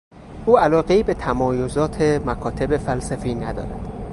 او علاقهای به تمایزات مکاتب فلسفی ندارد.